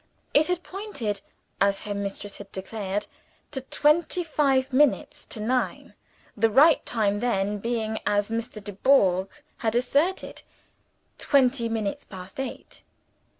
It had pointed, as her mistress had declared, to twenty five minutes to nine the right time then being, as Mr. Dubourg had asserted, twenty minutes past eight.